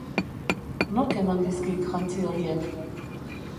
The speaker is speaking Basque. Nork eman dizkik jantzi horiek?